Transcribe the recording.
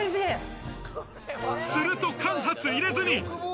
すると間髪入れずに。